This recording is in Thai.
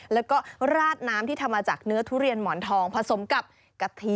แล้วก็ราดน้ำที่ทำมาจากเนื้อทุเรียนหมอนทองผสมกับกะทิ